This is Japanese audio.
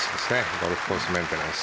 ゴルフコースメンテナンス。